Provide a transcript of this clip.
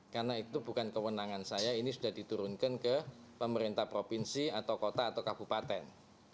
karena itu bukan kewenangan saya ini sudah diturunkan ke pemerintah provinsi atau kota atau kabupaten